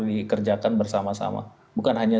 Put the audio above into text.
dikerjakan bersama sama bukan hanya